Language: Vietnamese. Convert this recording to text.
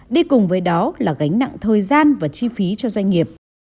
đi cùng với đó là gánh nặng thời gian và chi phí cho doanh nghiệp